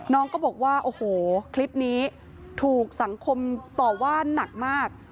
น้องก็บอกว่าโอ้โหคลิปนี้ถูกสังคมต่อว่านักมาก